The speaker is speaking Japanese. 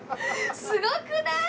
すごくない？